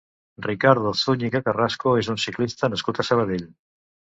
Ricardo Zúñiga Carrasco és un ciclista nascut a Sabadell.